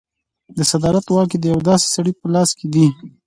د صدارت واګې د یو داسې سړي په لاس کې دي.